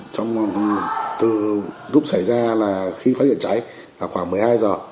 trong từ lúc xảy ra là khi phát hiện cháy là khoảng một mươi hai giờ